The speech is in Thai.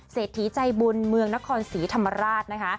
เศรษฐีใจบุญเมืองนครศรีธรรมราชนะคะ